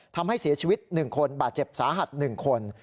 ทำให้เสียชีวิต๑คนบาดเจ็บสาหัส๑คน